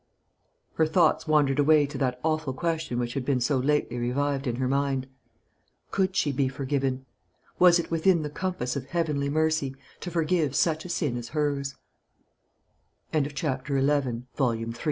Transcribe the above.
Her thoughts wandered away to that awful question which had been so lately revived in her mind Could she be forgiven? Was it within the compass of heavenly mercy to forgive such a sin as hers? CHAPTER XII. MARY'S STORY. One of the minor effe